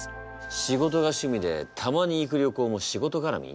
仕事が趣味でたまに行く旅行も仕事がらみ。